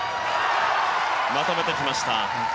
まとめてきました。